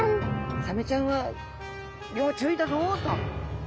「サメちゃんは要注意だぞ」と。